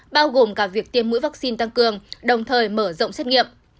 bao gồm cả việc tiêm mũi vaccine tăng cường đồng thời mở rộng xét nghiệm